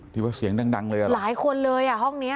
ที่ว่าเสียงดังเลยอ่ะหลายคนเลยอ่ะห้องเนี้ย